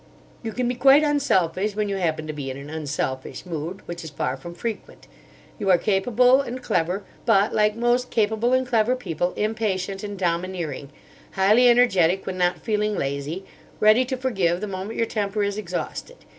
You can be quite unselfish—when you happen to be in an unselfish mood, which is far from frequent. You are capable and clever, but, like most capable and clever people, impatient and domineering; highly energetic when not feeling lazy; ready to forgive the moment your temper is exhausted.